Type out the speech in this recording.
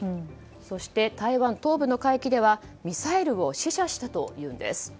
そして、台湾東部の海域ではミサイルを試射したというんです。